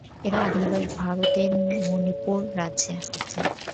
এদের আদি নিবাস ভারতের মণিপুর রাজ্যে।